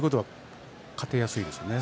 勝ちやすいですね。